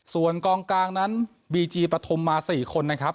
ส่วนกลางนั้นบีจีประโถมมาสี่คนนะครับ